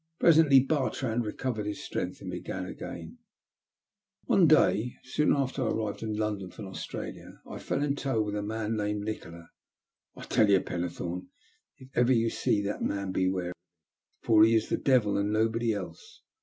I Bartrand recovered his strength, and began *'One day, soon after I arrived in Lond Australia, I fell in tow with a man named I tell you, Pennethome, if ever you see that mai of him, for he's the Devil, and nobody else.